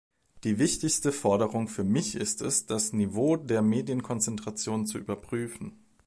Die wichtigste Forderung für mich ist es, das Niveau der Medienkonzentration zu überprüfen.